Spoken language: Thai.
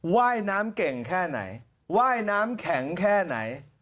ว่ายน้ำเก่งแค่ไหนว่ายน้ำแข็งแค่ไหน